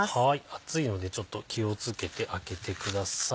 熱いのでちょっと気を付けて開けてください。